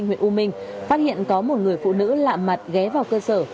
anh nguyễn u minh phát hiện có một người phụ nữ lạ mặt ghé vào cơ sở